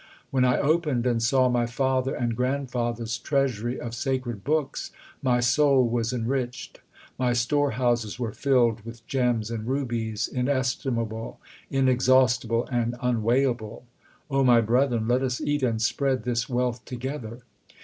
When I opened and saw my father and grandfather s 2 treasury of sacred books My soul was enriched ; My storehouses were filled with gems and rubies Inestimable, inexhaustible, and unweighable. my brethren, let us eat and spend this wealth together.